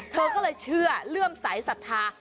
เธอก็เลยเชื่อเลื่อมสายศรัทธา